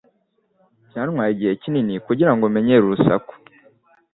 Byantwaye igihe kinini kugirango menyere urusaku.